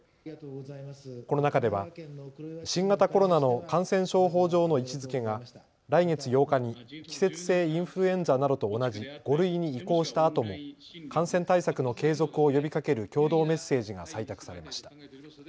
この中では新型コロナの感染症法上の位置づけが来月８日に季節性インフルエンザなどと同じ５類に移行したあとも感染対策の継続を呼びかける共同メッセージが採択されました。